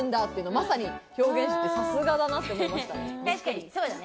まさに表現して、さすがだなって思いました。